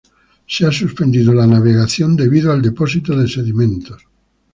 Se ha suspendido la navegación debido al depósito de sedimentos.